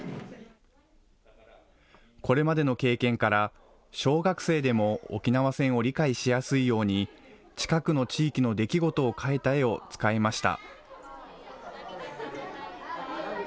これまでの経験から、小学生でも沖縄戦を理解しやすいように、近くの地域の出来事を描いた絵を使いました。